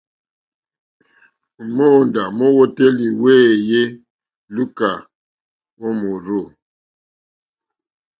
Móǒndá mówǒtélì wéèyé lùúkà ó mòrzô.